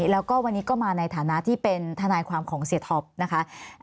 แล้วก็วันนี้ก็มาในฐานะที่เป็นทนายความของเสียท็อปนะคะ